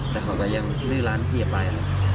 แต่เขาก็ยังลื้อร้านที่จะไป